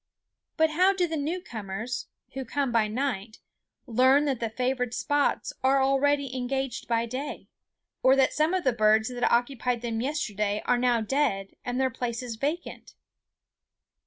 But how do the new comers, who come by night, learn that the favored spots are already engaged by day, or that some of the birds that occupied them yesterday are now dead and their places vacant?